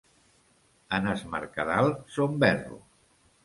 En Es Mercadal són verros.